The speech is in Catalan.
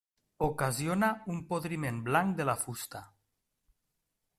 Ocasiona un podriment blanc de la fusta.